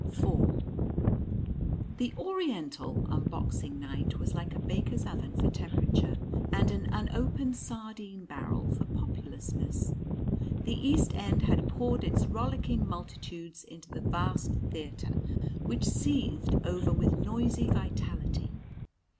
IV. The Oriental, on Boxing Night, was like a baker's oven for temperature, and an unopened sardine barrel for populousness. The East end had poured its rollicking multitudes into the vast theatre, which seethed over with noisy vitality.